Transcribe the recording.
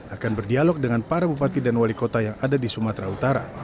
akan berdialog dengan para bupati dan wali kota yang ada di sumatera utara